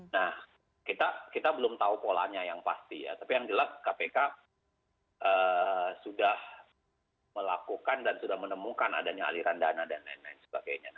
nah kita belum tahu polanya yang pasti ya tapi yang jelas kpk sudah melakukan dan sudah menemukan adanya aliran dana dan lain lain sebagainya